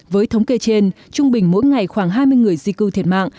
với thống kê trên trung bình mỗi ngày khoảng hai mươi người di cư thiệt mạng